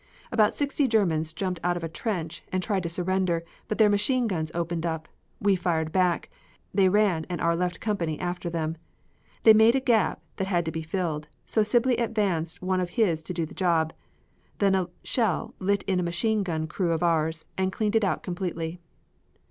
About sixty Germans jumped out of a trench and tried to surrender, but their machine guns opened up, we fired back, they ran and our left company after them. That made a gap that had to be filled, so Sibley advanced one of his to do the job, then a shell lit in a machine gun crew of ours and cleaned it out completely.